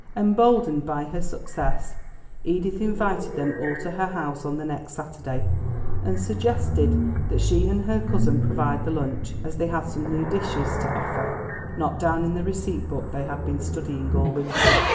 Emboldened by her success, Edith invited them all to her house on the next Saturday, and suggested that she and her cousin provide the lunch, as they had some new dishes to offer, not down in the receipt book they had been studying all winter.